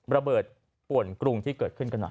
ระเบิดป่วนกรุงที่เกิดขึ้นกันหน่อย